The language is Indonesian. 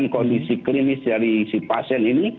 kondisi klinis dari si pasien ini